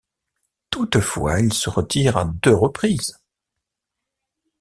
Toutefois, il se retire à deux reprises.